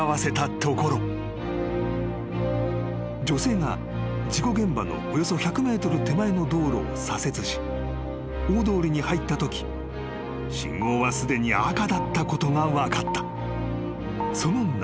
［女性が事故現場のおよそ１００ｍ手前の道路を左折し大通りに入ったとき信号はすでに赤だったことが分かった］